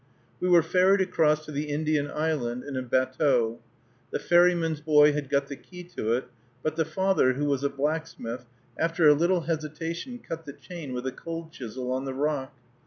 We were ferried across to the Indian Island in a batteau. The ferryman's boy had got the key to it, but the father, who was a blacksmith, after a little hesitation cut the chain with a cold chisel on the rock.